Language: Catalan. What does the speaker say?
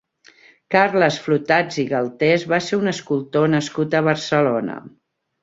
Carles Flotats i Galtés va ser un escultor nascut a Barcelona.